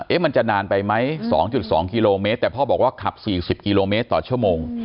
มันจะนานไปไหม๒๒กิโลเมตรแต่พ่อบอกว่าขับ๔๐กิโลเมตรต่อชั่วโมง